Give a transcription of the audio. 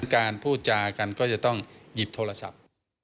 การพูดจากันก็จะต้องหยิบโทรศัพท์